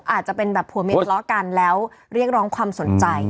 อาจจะเป็นแบบผัวเมียทะเลาะกันแล้วเรียกร้องความสนใจ